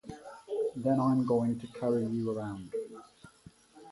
Then I'm going to carry you around.